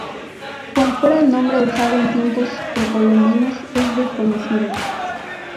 Cuál fuera el nombre usado en tiempos precolombinos, es desconocido.